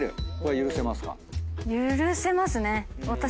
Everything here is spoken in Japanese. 許せますね。